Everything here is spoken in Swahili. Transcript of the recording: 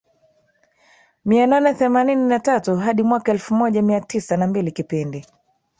mia nane themanini na tatu hadi mwaka elfu moja mia tisa na mbili Kipindi